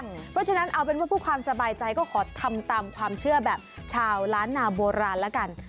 เพราะฉะนั้นเอาเป็นว่าเพื่อความสบายใจก็ขอทำตามความเชื่อแบบชาวล้านนาโบราณแล้วกัน